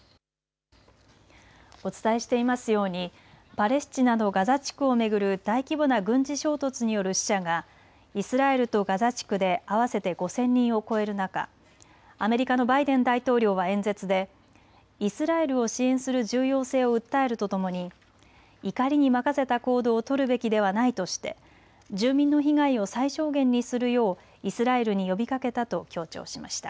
お伝えしていますようにパレスチナのガザ地区を巡る大規模な軍事衝突による死者がイスラエルとガザ地区で合わせて５０００人を超える中、アメリカのバイデン大統領は演説でイスラエルを支援する重要性を訴えるとともに怒りにまかせた行動を取るべきではないとして住民の被害を最小限にするようイスラエルに呼びかけたと強調しました。